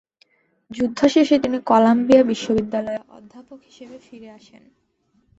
যুদ্ধ শেষে তিনি কলাম্বিয়া বিশ্ববিদ্যালয়ে অধ্যাপক হিসেবে ফিরে আসেন।